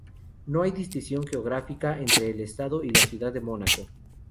No hay distinción geográfica entre el Estado y la Ciudad de Mónaco.